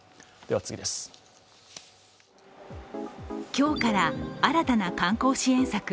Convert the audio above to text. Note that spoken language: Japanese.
今日から新たな観光支援策